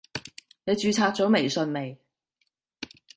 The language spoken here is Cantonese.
你註冊咗微信未？